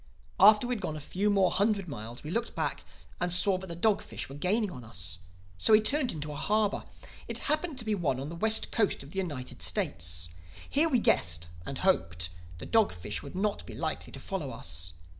"After we had gone a few more hundred miles we looked back and saw that the dog fish were gaining on us. So we turned into a harbor. It happened to be one on the west coast of the United States. Here we guessed, and hoped, the dog fish would not be likely to follow us.